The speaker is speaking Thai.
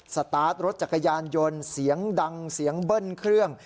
สตาร์ทรถจักรยานยนต์เสียงดังเสียงเบิ้ลเครื่อง